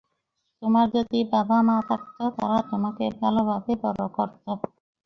তোমার যদি বাবা-মা থাকত, তারা তোমাকে ভালভাবে বড় করত।